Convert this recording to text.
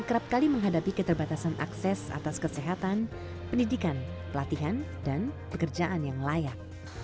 kerap kali menghadapi keterbatasan akses atas kesehatan pendidikan pelatihan dan pekerjaan yang layak